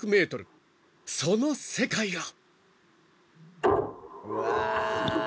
その世界が］